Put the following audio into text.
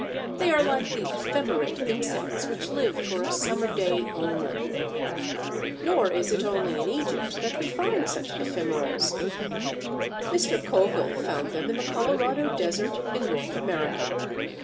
They are like the Ephemerid insects which live for a summer day only. Nor is it only in Egypt that we find such ephemerals. Mr. Coville found them in the Colorado desert in North America.